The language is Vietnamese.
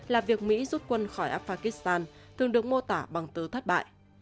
là việc mỹ rút quân khỏi afghanistan thường được mô tả bằng từ thất bại